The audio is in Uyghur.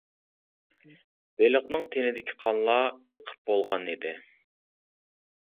بېلىقنىڭ تېنىدىكى قانلار ئېقىپ بولغان ئىدى.